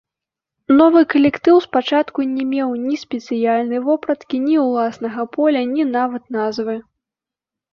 Новы калектыў спачатку не меў ні спецыяльнай вопраткі, ні ўласнага поля, ні нават назвы.